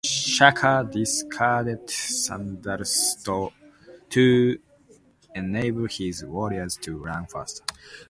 Shaka discarded sandals to enable his warriors to run faster.